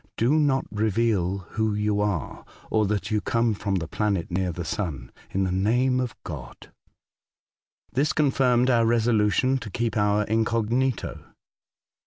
Do not reveal who you are, or that you come from the planet near the sun, in the name of God." This confirmed our resohition to keep our incognito.